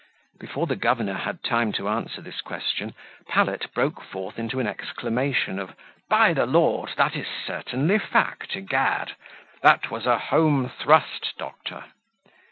Before the governor had time to answer this question, Pallet broke forth into an exclamation of "By the Lord! that is certainly fact, egad! that was a home thrust, doctor."